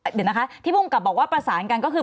เดี๋ยวนะคะที่ภูมิกับบอกว่าประสานกันก็คือ